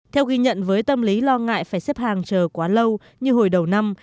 theo ghi nhận với tâm lý lo ngại phải xếp hàng chờ quá lâu như hồi đầu năm